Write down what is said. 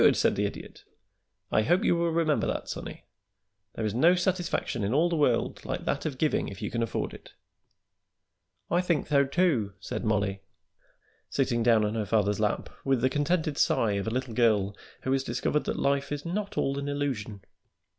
said the Idiot. "I hope you will remember that, sonny. There is no satisfaction in all the world like that of giving if you can afford it." [Illustration: "'I GAVE MY DOLLY AWAY TO DAY'"] "I think tho, too," said Mollie, sitting down on her father's lap with the contented sigh of a little girl who has discovered that life is not all an illusion.